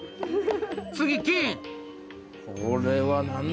次「金」！